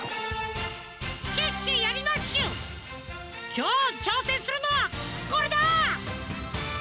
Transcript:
きょうちょうせんするのはこれだ！